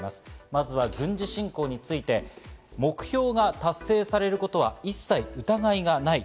まずは軍事侵攻について目標が達成されることは一切疑いがない。